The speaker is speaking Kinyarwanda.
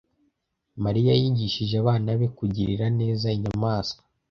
Mariya yigishije abana be kugirira neza inyamaswa.